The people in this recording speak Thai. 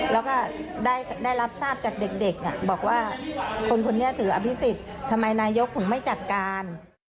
แล้วก็ได้รับทราบจากเด็กบอกว่าคนคนนี้ถืออภิษฎทำไมนายกถึงไม่จัดการ